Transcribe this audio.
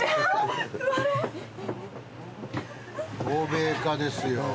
「欧米か！」ですよ。